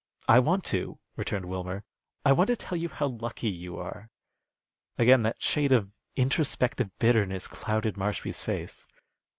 "I want to," returned Wilmer. "I want to tell you how lucky you are." Again that shade of introspective bitterness clouded Marshby's face.